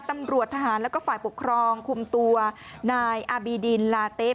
ตำรวจทหารแล้วก็ฝ่ายปกครองคุมตัวนายอาบีดินลาเต๊ะ